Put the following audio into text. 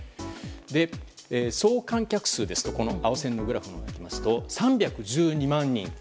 総観客数ですと青線グラフを見ますと３１２万人。